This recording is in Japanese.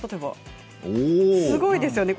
すごいですね。